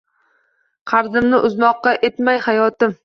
Qarzimni uzmoqqa etmas hayotim